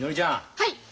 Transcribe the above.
はい！